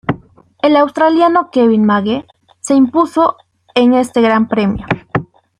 El australiano Kevin Magee se impuso en este Gran Premio.